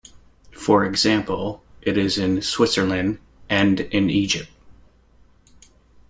For example, it is in Switzerland, and in Egypt.